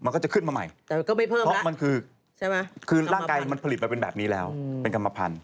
ขึ้นมาใหม่เพราะมันคือร่างกายมันผลิตไปเป็นแบบนี้แล้วเป็นกรรมพันธุ์